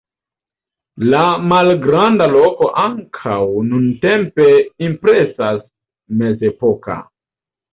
La malgranda loko ankaŭ nuntempe impresas mezepoka.